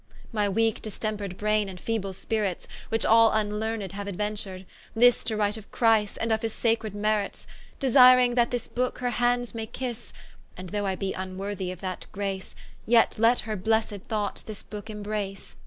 My weake distempred braine and feeble spirits, Which all vnleaned haue aduentur'd, this To write of Christ, and of his sacred merits, Desiring that this Booke Her hands may kisse: And though I be vnworthy of that grace, Yet let her blessed thoghts this book imbrace.